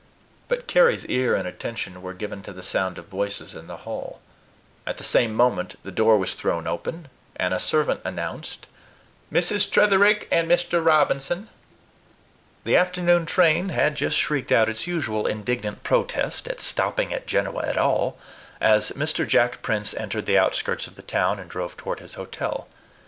But Carry's ear and attention were given to the sound of voices in the hall. At the same moment, the door was thrown open, and a servant announced, "Mrs. Tretherick and Mr. Robinson." The afternoon train had just shrieked out its usual indignant protest at stopping at Genoa at all as Mr. Jack Prince entered the outskirts of the town, and drove toward his hotel.